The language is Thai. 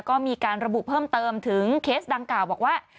ก็มีการระบุเพิ่มเติมถึงเคสดังกล่าวบอกว่า